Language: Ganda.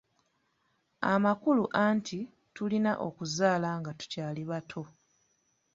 Amakulu anti tulina okuzaala nga tukyali bato.